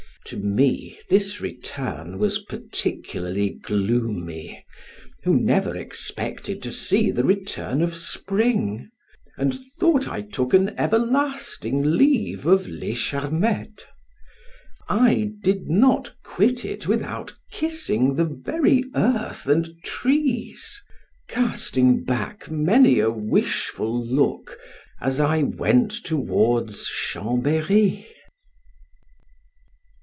To me this return was particularly gloomy, who never expected to see the return of spring, and thought I took an everlasting leave of Charmettes. I did not quit it without kissing the very earth and trees, casting back many a wishful look as I went towards Chambery.